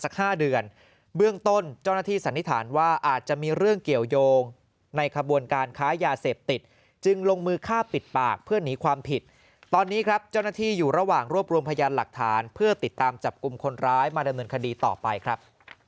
เบื้องต้นเจ้าหน้าที่สันนิษฐานว่าอาจจะมีเรื่องเกี่ยวยงในขบวนการค้ายาเสพติดจึงลงมือฆ่าปิดปากเพื่อหนีความผิดตอนนี้ครับเจ้าหน้าที่อยู่ระหว่างรวบรวมพยานหลักฐานเพื่อติดตามจับกลุ่มคนร้ายมาดำเนินคดีต่อไปครับ